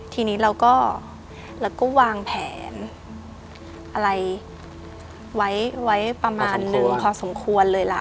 ทีนี้เราก็เราก็วางแผนอะไรไว้ไว้ประมาณนึงพอสมควรพอสมควรเลยล่ะ